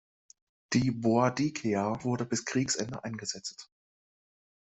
Die "Boadicea" wurde bis Kriegsende eingesetzt.